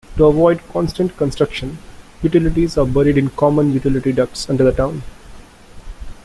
To avoid constant construction, utilities are buried in common utility ducts under the town.